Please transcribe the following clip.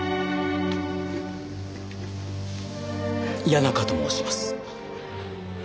谷中と申します。